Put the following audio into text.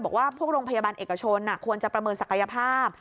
บอกว่าพวกโรงพยาบาลเอกชนควรจะประเมินศักยภาพ